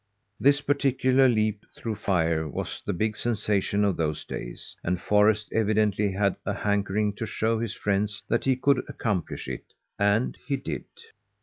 This particular leap through fire was the big sensation of those days, and Forrest evidently had a hankering to show his friends that he could accomplish it and he did.